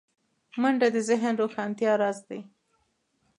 منډه د ذهن روښانتیا راز دی